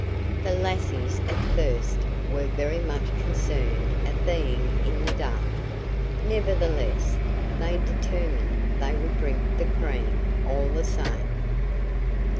The lassies at first were very much concerned at being in the dark; nevertheless they determined they would drink the cream, all the same.